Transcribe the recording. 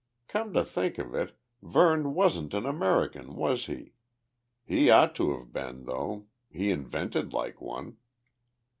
Come to think of it, Verne wasn't an American, was he? He ought to have been, though. He invented like one.